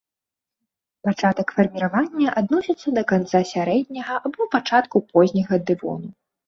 Пачатак фарміравання адносіцца да канца сярэдняга або пачатку позняга дэвону.